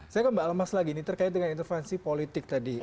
saya kembang lemas lagi ini terkait dengan intervensi politik tadi